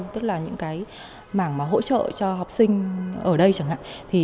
tức là những cái mảng hỗ trợ cho học sinh ở đây chẳng hạn